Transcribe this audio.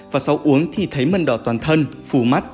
và sau uống thì thấy mần đỏ toàn thân phù mắt